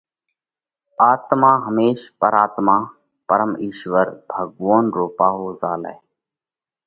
آتما ھيمش پرم آتما (پرم اِيشوَر، ڀڳوونَ) رو پاھو زھالئھ